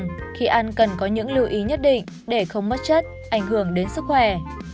nhiều gia đình cho rằng khi ăn cần có những lưu ý nhất định để không mất chất ảnh hưởng đến sức khỏe